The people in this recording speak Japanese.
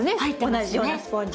同じようなスポンジが。